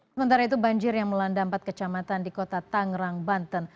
sementara itu banjir yang melanda empat kecamatan di kota tangerang banten